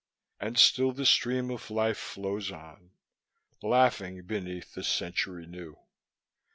And still the stream of life flows on, Laughing beneath the century new.